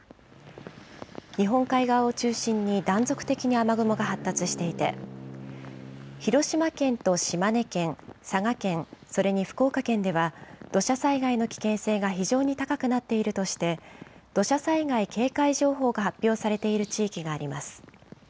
日本海側を中心に断続的に雨雲が発達していて、広島県と島根県、佐賀県、それに福岡県では、土砂災害の危険性が非常に高くなっているとして、土砂災害警戒情報が発表されている地域があります。